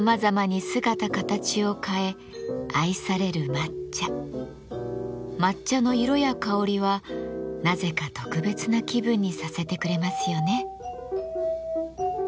抹茶の色や香りはなぜか特別な気分にさせてくれますよね。